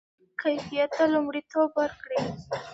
کیفیت ته لومړیتوب ورکړئ.